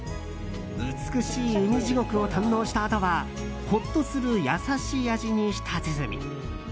美しい海地獄を堪能したあとはほっとする優しい味に舌鼓。